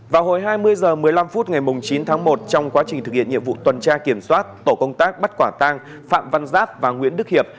vào hồi hai mươi h một mươi năm phút ngày chín tháng một trong quá trình thực hiện nhiệm vụ tuần tra kiểm soát tổ công tác bắt quả tang phạm văn giáp và nguyễn đức hiệp